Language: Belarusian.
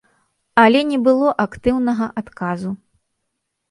Але не было актыўнага адказу.